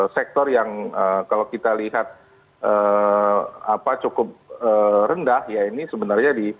sektor yang kalau kita lihat cukup rendah ya